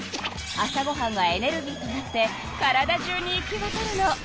朝ごはんはエネルギーとなって体中に行きわたるの。